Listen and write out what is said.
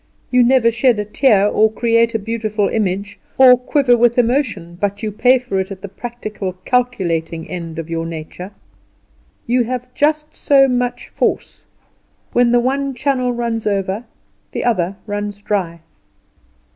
You never shed a tear, or create a beautiful image, or quiver with emotion, but you pay for it at the practical, calculating end of your nature. You have just so much force: when the one channel runs over the other runs dry.